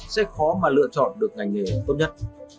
sẽ khó mà lựa chọn được ngành nghề tốt nhất